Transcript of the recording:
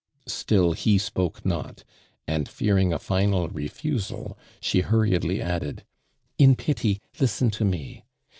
Still he spoke not, and fearing a final refusal, she hm riedly added :" In pity listen to me